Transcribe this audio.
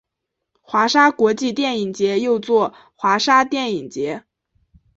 华沙国际电影节又作华沙电影节。